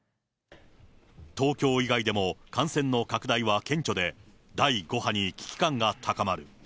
東京以外でも感染の拡大は顕著で、第５波に危機感が高まる。